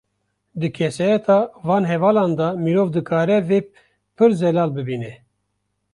Di kesayeta van hevalan de mirov dikarê vê, pir zelal bibîne